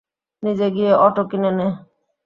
নিজে গিয়ে অটো কিনে নে।